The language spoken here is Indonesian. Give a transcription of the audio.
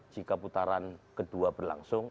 jika putaran kedua berlangsung